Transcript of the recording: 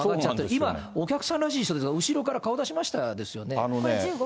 今、お客さんらしい方が後ろから顔出しましたですよね。